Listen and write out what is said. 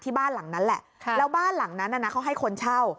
บ้านหลังนั้นแหละแล้วบ้านหลังนั้นน่ะนะเขาให้คนเช่า